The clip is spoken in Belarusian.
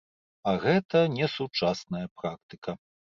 А гэта несучасная практыка.